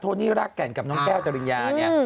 โนี่รากแก่นกับน้องแก้วจริญญาเนี่ย